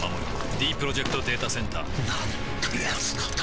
ディープロジェクト・データセンターなんてやつなんだ